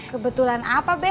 kebetulan apa be